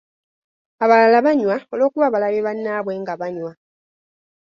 Abalala banywa olw’okuba balabye bannaabwe nga banywa.